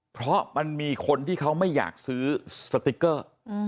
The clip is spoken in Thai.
เพราะมันมีคนที่เขาไม่อยากซื้อสติ๊กเกอร์